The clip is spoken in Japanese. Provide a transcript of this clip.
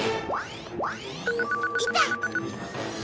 いた！